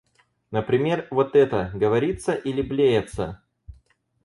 Например, вот это — говорится или блеется?